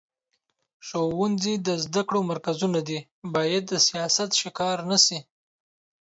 ښوونځي د زده کړو مرکزونه دي، باید د سیاست ښکار نه شي.